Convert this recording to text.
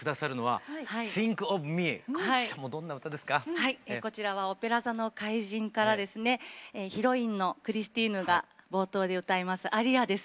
はいこちらは「オペラ座の怪人」からですねヒロインのクリスティーヌが冒頭で歌いますアリアです。